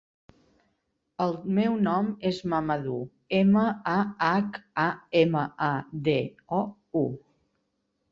El meu nom és Mahamadou: ema, a, hac, a, ema, a, de, o, u.